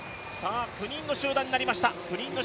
９人の集団になりました。